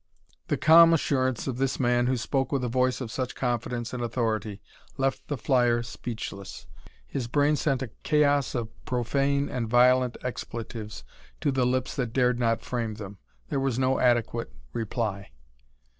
The calm assurance of this man who spoke with a voice of such confidence and authority left the flyer speechless. His brain sent a chaos of profane and violent expletives to the lips that dared not frame them. There was no adequate reply.